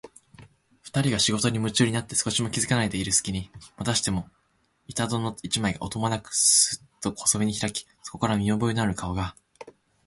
ふたりが仕事にむちゅうになって少しも気づかないでいるすきに、またしても板戸の一枚が、音もなくスーッと細めにひらき、そこから見おぼえのある顔が、